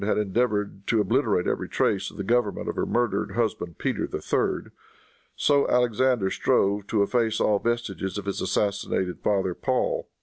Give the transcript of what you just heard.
had endeavored to obliterate every trace of the government of her murdered husband, Peter III., so Alexander strove to efface all vestiges of his assassinated father, Paul.